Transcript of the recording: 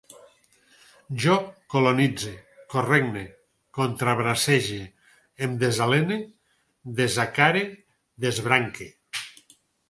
Jo colonitze, corregne, contrabracege, em desalene, desacare, desbranque